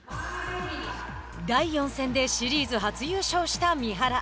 第４戦でシリーズ初優勝した三原。